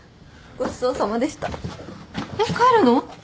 えっ帰るの？